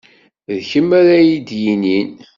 D kemm ara iyi-d-yinin.